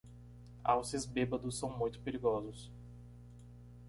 Alces bêbados são muito perigosos.